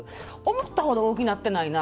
思ったほど大きくなってないな